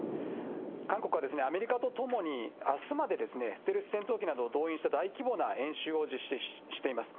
韓国はアメリカと共に、あすまでステルス戦闘機などを導入した大規模な演習を実施しています。